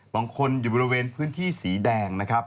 บางคนอยู่บริเวณพื้นที่สีแดงนะครับ